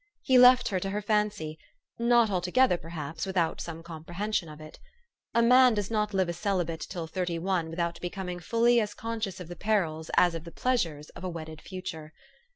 He left her to her fancy, not altogether, perhaps, without some comprehension of it. A man does not live a celibate till thirty one without be coming fully as conscious of the perils as of the pleasures of a wedded future.